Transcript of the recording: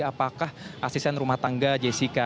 apakah asisten rumah tangga jessica